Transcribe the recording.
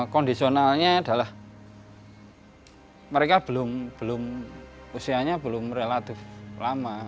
kondisionalnya adalah mereka belum usianya belum relatif lama